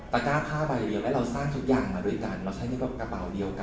ก้าผ้าใบเดียวแล้วเราสร้างทุกอย่างมาด้วยกันเราใช้ในกระเป๋าเดียวกัน